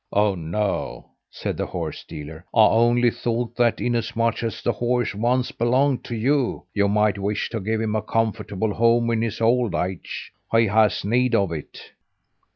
"Oh, no!" said the horse dealer. "I only thought that, inasmuch as the horse once belonged to you, you might wish to give him a comfortable home in his old age; he has need of it."